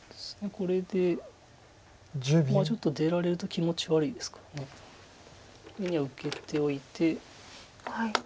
これでちょっと出られると気持ち悪いですからこれには受けておいて。